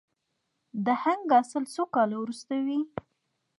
د هنګ حاصل څو کاله وروسته وي؟